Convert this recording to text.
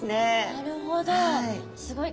なるほど！